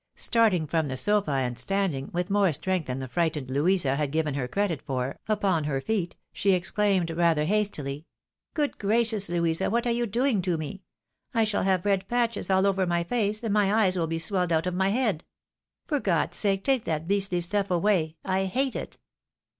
Starting from the sofa, and standing, with more strength than the frightened Louisa had given her credit for, upon her feet, she exclaimed rather hastOy —" Good gracious, Louisa ; what are you doing to me ? I shall have red patches all over my face, and my eyes will be swelled out of my head. For God's sake, take that beastly stuff away; I hate it?